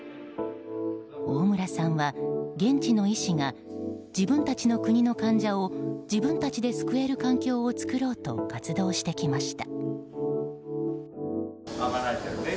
大村さんは現地の医師が自分たちの国の患者を自分たちで救える環境を作ろうと活動してきました。